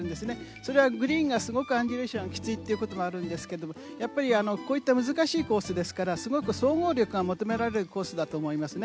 それはグリーンのアンジュレーションがきついということもあるんですけども、やっぱり、こういった難しいコースですから、すごく総合力が求められるコースだと思いますね。